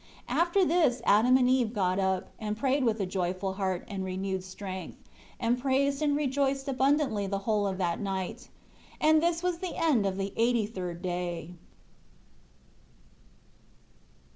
9 After this Adam and Eve got up, and prayed with a joyful heart and renewed strength, and praised and rejoiced abundantly the whole of that night. And this was the end of the eighty third day.